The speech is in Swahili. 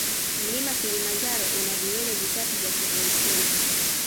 Mlima kilimanjaro una vilele vitatu vya kivolkeno